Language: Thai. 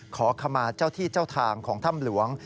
ขอขมาเจ้าที่เจ้าทางของถ้ำหลวง